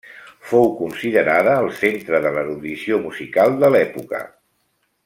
Fou considerada el centre de l'erudició musical de l'època.